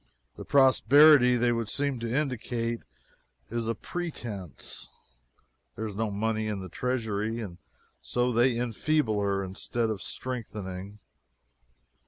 The prosperity they would seem to indicate is a pretence. There is no money in the treasury, and so they enfeeble her instead of strengthening.